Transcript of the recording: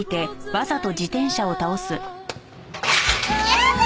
やだ！